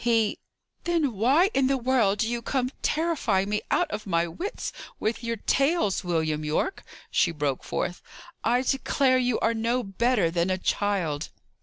He " "Then why in the world do you come terrifying me out of my wits with your tales, William Yorke?" she broke forth. "I declare you are no better than a child!"